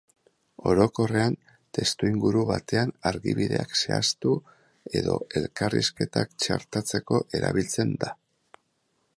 Orokorrean, testuinguru batean argibideak zehaztu edo elkarrizketak txertatzeko erabiltzen da.